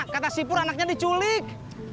kata sipur anaknya diculik